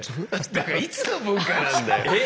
だからいつの文化なんだよ！え？